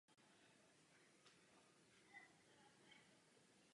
Vojsko Konfederace v bitvě zvítězilo.